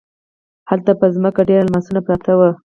هلته په ځمکه ډیر الماسونه پراته وو.